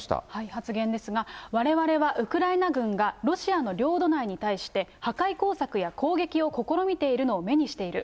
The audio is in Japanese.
発言ですが、われわれはウクライナ軍がロシアの領土内に対して破壊工作や攻撃を試みているのを目にしている。